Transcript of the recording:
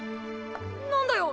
なんだよ？